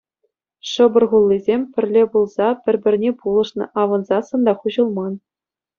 Шӑпӑр хуллисем, пӗрле пулса, пӗр-пӗрне пулӑшнӑ, авӑнсассӑн та хуҫӑлман.